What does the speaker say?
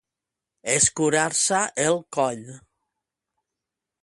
Escurar-se el coll.